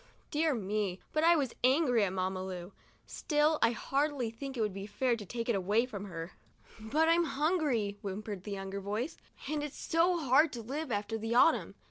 Dear me, but I was angry at Mamma Lu !" Still, I hardly think it would be fair to take it away from her." " But I'm hungry," whimpered the younger voice, "and it's so hard to live after the autumn.